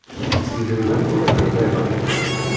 S yedrimen i txeddmem aya?